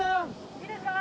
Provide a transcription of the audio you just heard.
いいですか？